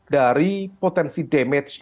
dari potensi damage